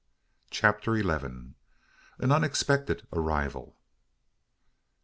CHAPTER ELEVEN. AN UNEXPECTED ARRIVAL.